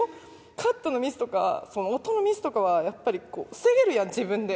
カットのミスとか音のミスとかはやっぱり防げるやん自分で。